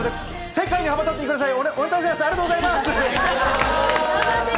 世界で羽ばたいてください。